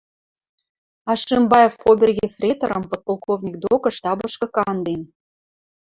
Ашимбаев обер-ефрейторым подполковник докы штабышкы канден